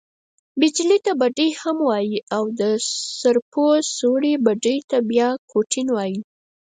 بیجلي ته بډۍ هم وايي او، د سرپو جوړي بډۍ ته بیا کوټین وايي.